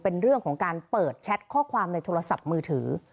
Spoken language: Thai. เป็นเรื่องของการเปิดแชทข้อความในโทรศัพท์มือถือ